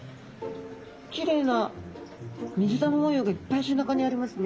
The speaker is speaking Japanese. きれいな水玉模様がいっぱい背中にありますね。